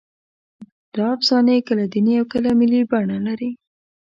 دا افسانې کله دیني او کله ملي بڼه لري.